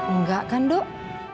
enggak kan dok